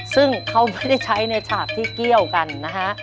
ซึ่งเขาไม่ได้ใช้ในฉากที่เกี่ยวกันนะฮะ